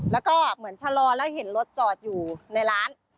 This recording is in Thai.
แล้วก็เหมือนชะลอแล้วเห็นรถจอดอยู่ในร้าน